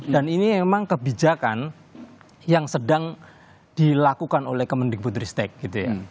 dan ini memang kebijakan yang sedang dilakukan oleh km mendikbud ristek gitu ya